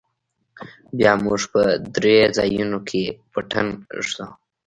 بيا موږ په درېو ځايونو کښې پټن ږدو.